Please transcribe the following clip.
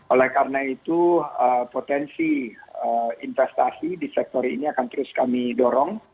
oleh karena itu potensi investasi di sektor ini akan terus kami dorong